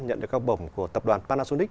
nhận được học bổng của tập đoàn panasonic